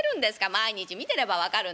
毎日見てれば分かるんですよ。